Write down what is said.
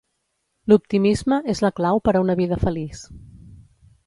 L'optimisme és la clau per a una vida feliç.